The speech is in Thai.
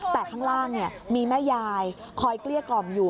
แต่ข้างล่างมีแม่ยายคอยเกลี้ยกล่อมอยู่